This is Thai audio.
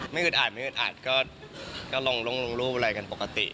ไม่อึดอาดก็ลงรูปอะไรกันปกติ